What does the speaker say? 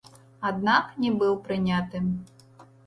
Аднак не быў прыняты.